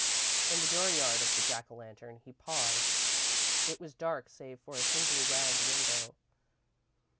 In the dooryard of the Jack o' Lantern, he paused. It was dark, save for a single round window.